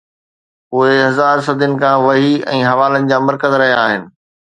اهي مزار صدين کان وحي ۽ حوالن جا مرڪز رهيا آهن